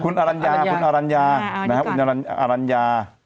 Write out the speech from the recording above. คุณอรัญญาคุณอรัญญาคุณอรัญญา